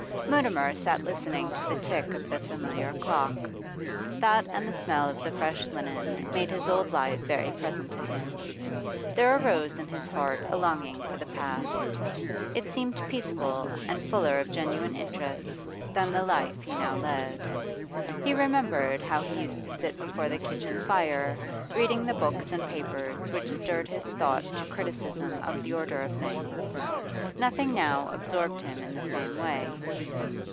Mutimer sat listening to the tick of the familiar clock. That and the smell of the fresh linen made his old life very present to him; there arose in his heart a longing for the past, it seemed peaceful and fuller of genuine interests than the life he now led. He remembered how he used to sit before the kitchen fire reading the books and papers which stirred his thought to criticism of the order of things; nothing now absorbed him in the same way.